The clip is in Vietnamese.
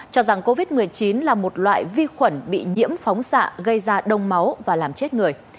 cho rằng covid một mươi chín là một loại vi khuẩn bị nhiễm phóng xạ gây ra đông máu và làm chết người